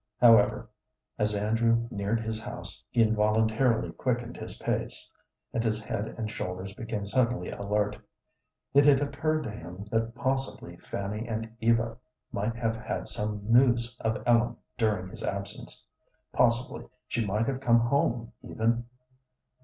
However, as Andrew neared his house he involuntarily quickened his pace, and his head and shoulders became suddenly alert. It had occurred to him that possibly Fanny and Eva might have had some news of Ellen during his absence. Possibly she might have come home even.